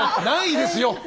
ないですよ！